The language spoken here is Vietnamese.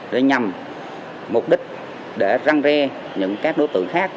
để nhằm mục đích để răng re những các đối tượng khác